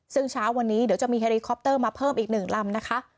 ซึ่งเช้าวันนี้เดี๋ยวจะมีมาเพิ่มอีกหนึ่งลำนะคะ